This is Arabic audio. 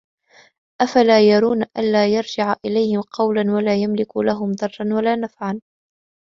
أفلا يرون ألا يرجع إليهم قولا ولا يملك لهم ضرا ولا نفعا